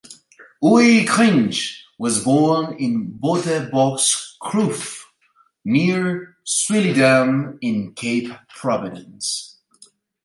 Uys Krige was born in Bontebokskloof, near Swellendam, in the Cape province.